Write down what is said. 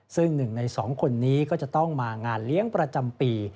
ซึ่ง๑ใน๒คนนี้ก็จะต้องมางานเลี้ยงประจำปี